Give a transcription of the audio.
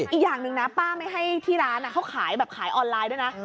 อีกอย่างหนึ่งนะป้าไม่ให้ที่ร้านเขาขายแบบขายออนไลน์ด้วยนะ